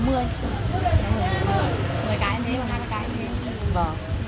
hóa đơn đỏ